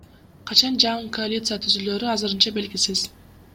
Качан жаңы коалиция түзүлөөрү азырынча белгисиз.